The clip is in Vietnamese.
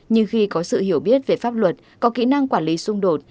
nhưng khi có sự hiểu biết về pháp luật có kỹ năng quản lý xung đột